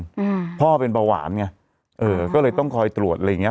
อืมพ่อเป็นเบาหวานไงเออก็เลยต้องคอยตรวจอะไรอย่างเงี้